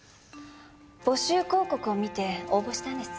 募集広告を見て応募したんです。